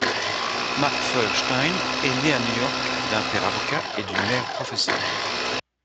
Mark Feuerstein est né à New York, d'un père avocat et d'une mère professeur.